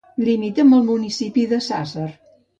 Limita amb el municipi de Sàsser.